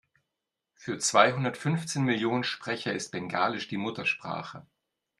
Für zweihundertfünfzehn Millionen Sprecher ist Bengalisch die Muttersprache.